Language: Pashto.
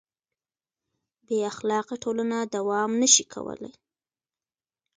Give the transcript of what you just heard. بېاخلاقه ټولنه دوام نهشي کولی.